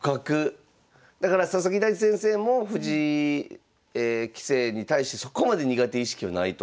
だから佐々木大地先生も藤井棋聖に対してそこまで苦手意識はないと。